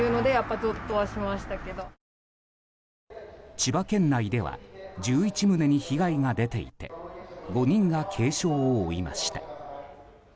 千葉県内では１１棟に被害が出ていて５人が軽傷を負いました。